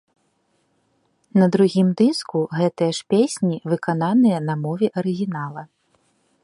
На другім дыску гэтыя ж песні выкананыя на мове арыгінала.